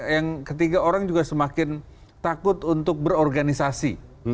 yang ketiga orang juga semakin takut untuk berorganisasi